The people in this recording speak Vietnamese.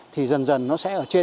thì dần dần nó sẽ ở trên